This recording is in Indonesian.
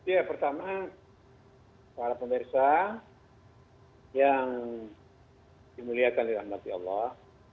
ya pertama para pemerintah yang dimuliakan oleh alhamdulillah